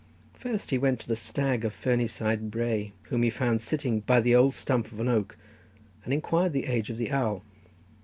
First he went to the stag of Ferny side brae, whom he found sitting by the old stump of an oak, and inquired the age of the owl.